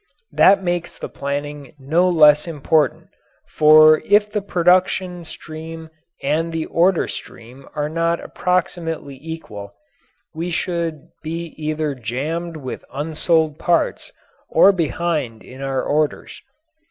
That makes the planning no less important, for if the production stream and the order stream are not approximately equal we should be either jammed with unsold parts or behind in our orders.